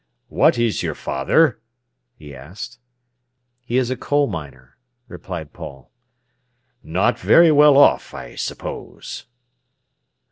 "What is your father?" he asked. "He is a coal miner," replied Paul. "Not very well off, I suppose?"